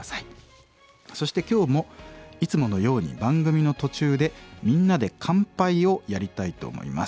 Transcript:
そして今日もいつものように番組の途中で「みんなで乾杯」をやりたいと思います。